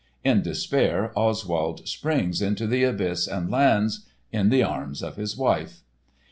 In despair Oswald springs into the abyss and lands—in the arms of his wife!